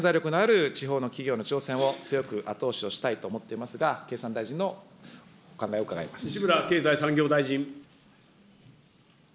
まだまだ潜在力のある地方の企業の挑戦を強く後押しをしたいと思っていますが、経産大臣のお考え西村経済産業大臣。